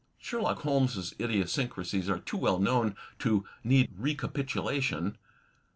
Sherlock Holmes' idiosyncrasies are too well known to need recapitulation.